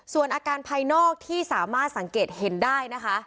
ส่วนอาการภายนอกที่สามารถสังเกตเห็นได้นะคะ